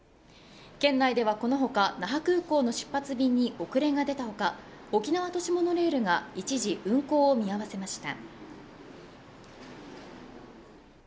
県内ではこの他、那覇空港の出発便に遅れが出たほか、沖縄都市モノレールが一時運行を見合わせました。